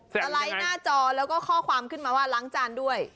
สไลด์หน้าจอแล้วก็ข้อความขึ้นมาว่าล้างจานด้วย